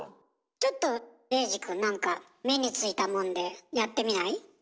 ちょっと衛二くんなんか目についたもんでやってみない？